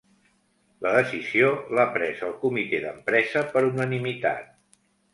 La decisió l'ha pres el comitè d'empresa per unanimitat